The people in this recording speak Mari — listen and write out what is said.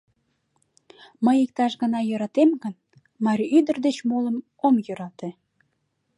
Мый иктаж гана йӧратем гын, марий ӱдыр деч молым ом йӧрате.